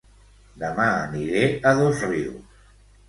Dema aniré a Dosrius